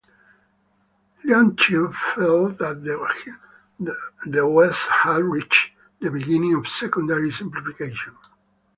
Leontiev felt that the West had reached the beginning of secondary simplification.